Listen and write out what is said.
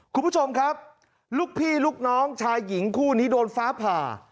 คุณผู้ชมครับลูกพี่ลูกน้องชายหญิงคู่นี้โดนฟ้าผ่า